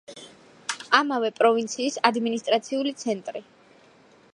ამავე პროვინციის ადმინისტრაციული ცენტრი.